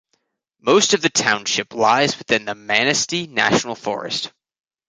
Most of the township lies within the Manistee National Forest.